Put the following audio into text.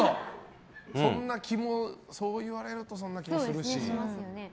そう言われるとそんな気もするし。